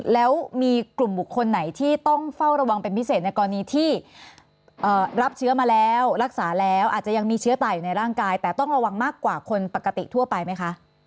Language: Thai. แล้วมีกลุ่มบุคคลไหนที่ต้องเฝ้าระวังเป็นพิเศษในกรณีที่รับเชื้อมาแล้วรักษาแล้วอาจจะยังมีเชื้อตายอยู่ในร่างกายแต่ต้องระวังมากกว่าคนปกติทั่วไปไหมคะ